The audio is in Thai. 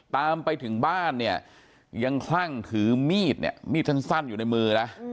ตามไปถึงบ้านเนี่ยยังคลั่งถือมีดเนี่ยมีดสั้นอยู่ในมือนะ